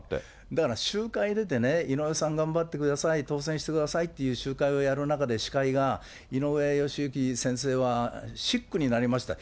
だから集会出てね、井上さん頑張ってください、当選してください、やる中で司会が、井上義行先生はしっくになりました。